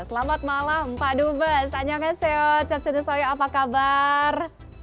selamat malam pak dubes anjang haseo cetsinusoyo apa kabar